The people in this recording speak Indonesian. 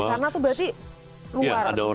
dari sana tuh berarti luar